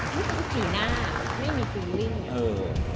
พูดถึงหน้าไม่มีความรู้สึก